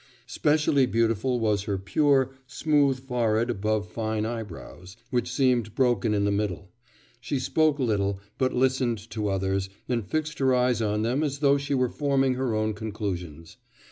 Specially beautiful was her pure, smooth forehead above fine eyebrows, which seemed broken in the middle. She spoke little, but listened to others, and fixed her eyes on them as though she were forming her own conclusions.